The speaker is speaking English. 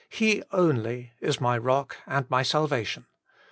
He only is my rock and my salyation.